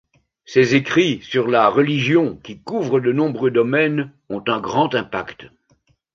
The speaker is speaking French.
Ses écrits sur la religion, qui couvrent de nombreux domaines, ont un grand impact.